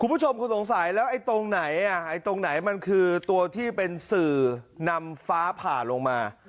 คุณผู้ชมคงสงสัยแล้วไอ้ตรงไหนตรงไหนมันคือตัวที่เป็นสื่อนำฟ้าผ่าลงมา